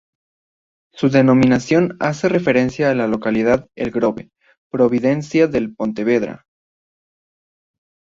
Su denominación hace referencia a la localidad de El Grove, provincia de Pontevedra.